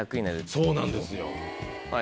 そうなんですよ。